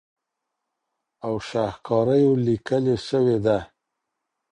او شهکاریو لیکلې سوې ده